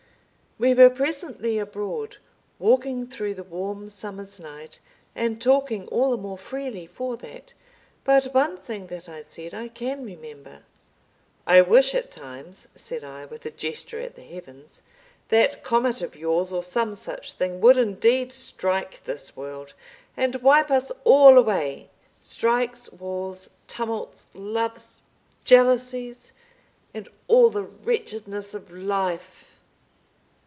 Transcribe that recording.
We were presently abroad, walking through the warm summer's night and talking all the more freely for that. But one thing that I said I can remember. "I wish at times," said I, with a gesture at the heavens, "that comet of yours or some such thing would indeed strike this world—and wipe us all away, strikes, wars, tumults, loves, jealousies, and all the wretchedness of life!"